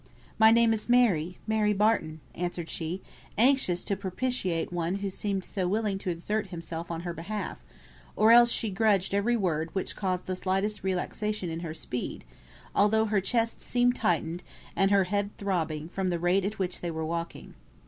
"My name is Mary, Mary Barton," answered she, anxious to propitiate one who seemed so willing to exert himself in her behalf, or else she grudged every word which caused the slightest relaxation in her speed, although her chest seemed tightened, and her head throbbing, from the rate at which they were walking.